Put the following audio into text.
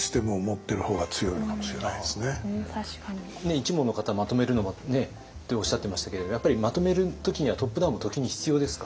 一門の方まとめるのもねっておっしゃってましたけれどやっぱりまとめる時にはトップダウンも時に必要ですか？